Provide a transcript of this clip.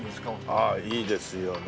ああいいですよね。